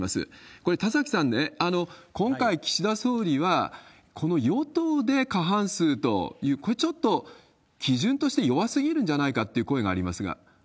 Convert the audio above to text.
これ、田崎さん、今回、岸田総理はこの与党で過半数という、これ、ちょっと基準として弱すぎるんじゃないかっていう声がありますが。